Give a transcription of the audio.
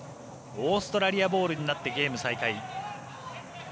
オーストラリアボールになってゲーム再開。